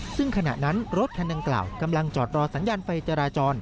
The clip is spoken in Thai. ซึ่งขณะนั้นรถคันดังกล่าวกำลังจอดรอสัญญาณไฟจราจร